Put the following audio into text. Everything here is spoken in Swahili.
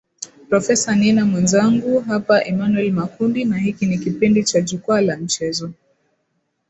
profesa nina mwenzangu hapa emanuel makundi na hiki ni kipindi cha jukwaa la michezo